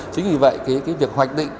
chính vì vậy việc hoạch định